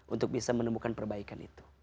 untuk bisa menemukan perbaikan itu